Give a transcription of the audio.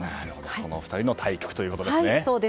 その２人の対局ということですね。